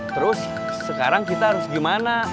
terus sekarang kita harus gimana